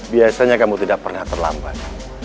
biasanya kamu tidak pernah terlambat